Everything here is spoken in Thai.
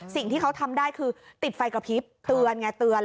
สิ่งที่เขาทำได้คือติดไฟกระพริบเตือนไงเตือน